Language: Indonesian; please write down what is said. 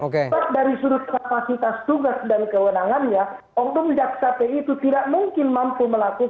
karena dari sudut kapasitas tugas dan kewenangannya oknum jaksa p i itu tidak mungkin mampu menangkap